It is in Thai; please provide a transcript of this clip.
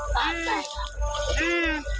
หน้ามันแตก